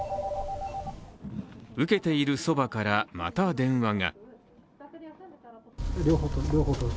受けているそばから、また電話が。